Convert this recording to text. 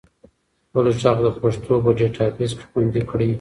خپل ږغ د پښتو په ډیټابیس کې خوندي کړئ.